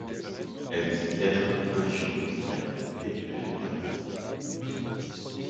Elle dit être de religion israélite et végétarienne.